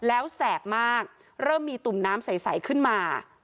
แล้วแสบมากเริ่มมีตุ่มน้ำใสขึ้นมา